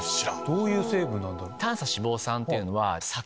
どういう成分なんだろう？